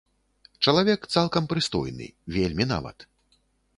Чалавек цалкам прыстойны, вельмі нават.